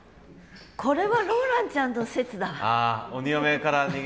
これはローランちゃんの説だわ。